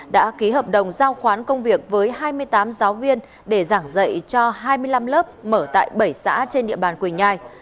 đã ký hợp đồng giao khoán công việc với hai mươi tám giáo viên để giảng dạy cho hai mươi năm lớp mở tại bảy xã trên địa bàn quỳnh nhai